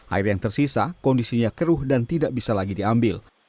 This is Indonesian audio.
air yang tersisa kondisinya keruh dan tidak bisa lagi diambil